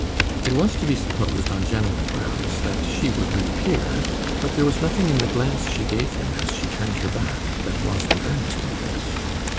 It was to be supposed, on general grounds, that she would reappear, but there was nothing in the glance she gave him, as she turned her back, that was an earnest of this.